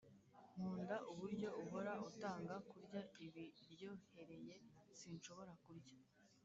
nkunda uburyo uhora utanga kurya ibiryohereye sinshobora kurya